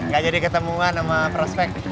gak jadi ketemuan sama prospek